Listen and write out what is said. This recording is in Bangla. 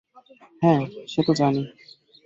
হাঁ সে তো জানি।